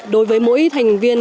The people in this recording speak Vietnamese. đối với mỗi thành viên